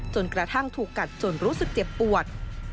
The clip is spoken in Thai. จนกระทั่งถูกกัดจนรู้สึกเจ็บปวด